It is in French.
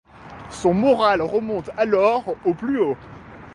Son moral remonte alors au plus haut.